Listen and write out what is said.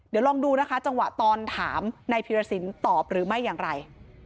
เดี๋ยวลองดูนะคะจังหวะตอนถามนายพีรสินตอบหรือไม่อย่างไร